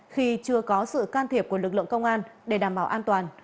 khi chưa có sự can thiệp của lực lượng công an để đảm bảo an toàn